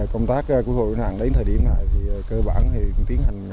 công tác cứu hộ cứu nạn đến thời điểm này thì cơ bản tiến hành